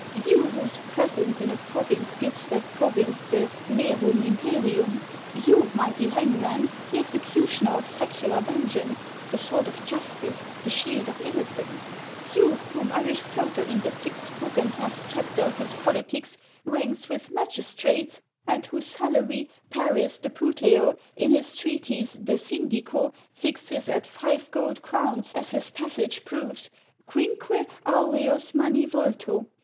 You, whose presence in a province gives that province the mc rum impcrium ! l You, mighty hangman, the executioner of secular vengeance, the sword of justice, the shield of innocence ! You, whom Aristotle in the sixth book and 1 Blood privilege, the right to have a hangman. 152 HANS OF ICELAND. last chapter of his ' Politics ' ranks with magistrates, and whose salary Paris de Puteo, in his treatise ' De Syndico/ fixes at five gold crowns, as this passage proves : Quinque aurcos manivolto